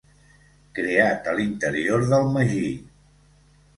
Creat a l'interior del magí.